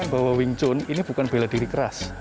bahwa wing chun ini bukan bela diri keras